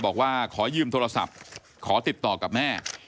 บอกว่าขอยืมโทรศัพท์ขอติดต่อกับแม่